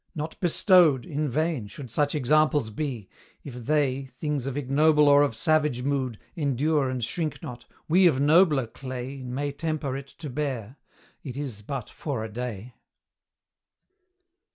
Not bestowed In vain should such examples be; if they, Things of ignoble or of savage mood, Endure and shrink not, we of nobler clay May temper it to bear, it is but for a day.